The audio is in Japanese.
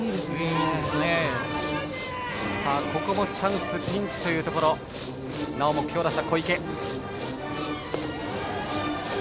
ここもチャンス、ピンチというところでなおも強打者、小池。